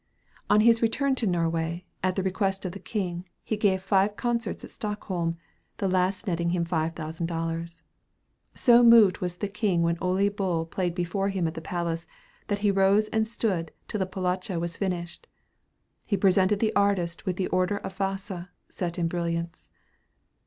On his return to Norway, at the request of the King, he gave five concerts at Stockholm, the last netting him five thousand dollars. So moved was the King when Ole Bull played before him at the palace, that he rose and stood till the "Polacca" was finished. He presented the artist with the Order of Vasa, set in brilliants.